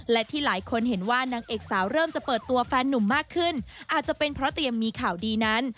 และที่หลายคนเห็นว่านางเอกสาวเริ่มจะเปิดตัวแฟนนุ่มมากขึ้นอาจจะเป็นเพราะเตรียมมีข่าวดีนั้น